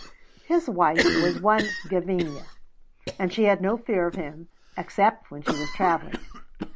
His wife was one Gavinia, and she had no fear of him except when she was travelling.